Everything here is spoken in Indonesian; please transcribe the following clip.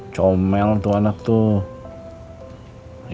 comel tuh anak tuh